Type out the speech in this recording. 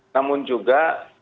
nah namun juga